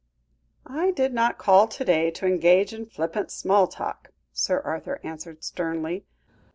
"I did not call to day to engage in flippant small talk," Sir Arthur answered sternly.